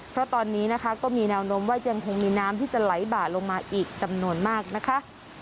เพราะตอนนี้นะคะก็มีแนวโน้มว่ายังคงมีน้ำที่จะไหลบ่าลงมาอีกจำนวนมากนะคะ